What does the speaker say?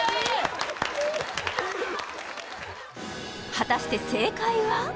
果たして正解は？